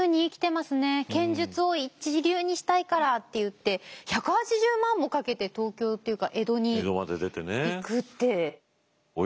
剣術を一流にしたいからって言って１８０万もかけて東京っていうか江戸に行くって。